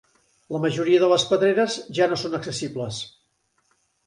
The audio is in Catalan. La majoria de les pedreres ja no són accessibles.